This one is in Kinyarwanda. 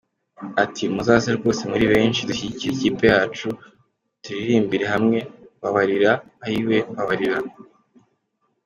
Ati “ Muzaze rwose muri benshi dushyigikire ikipe yacu, turirimbire hamwe, ‘Mbabarira ayiwe mbabarira”.